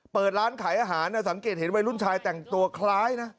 เปิดร้านขายอาหารสังเกตเห็นวัยรุ่นชายแต่งตัวคล้ายนะ